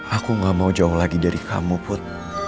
aku gak mau jauh lagi dari kamu put